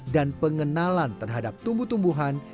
dan pengenalan terhadap tumbuh tumbuhan